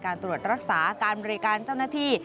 ตรวจรักษาการบริการเจ้าหน้าที่